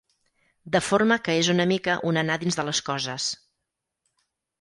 De forma que és una mica un anar a dins de les coses.